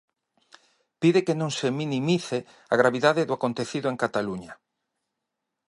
Pide que non se minimice a gravidade do acontecido en Cataluña.